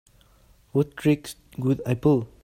What tricks would I pull?